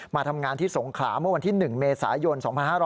มาทำงานที่สงขลาเมื่อวันที่๑เมษายน๒๕๖๐